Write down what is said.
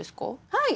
はい。